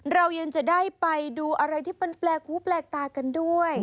เรายังจะได้ไปดูอะไรที่มันแปลกหูแปลกตากันด้วย